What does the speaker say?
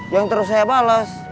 yang terus saya bales